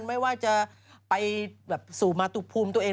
ไม่ว่าจะไปแบบศูมาทุกภูมิตัวเอง